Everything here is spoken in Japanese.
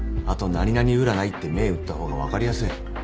あと何々占いって銘打った方が分かりやすい。